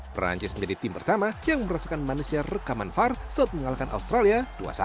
perancis menjadi tim pertama yang merasakan manusia rekaman var saat mengalahkan australia dua satu